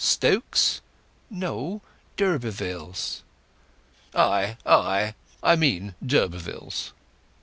"Stokes?" "No; d'Urbervilles." "Ay, ay; I mean d'Urbervilles."